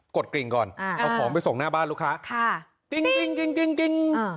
กดกริ่งก่อนเอาของไปส่งหน้าบ้านลูกค้าติ๊งติ๊งติ๊งติ๊งติ๊ง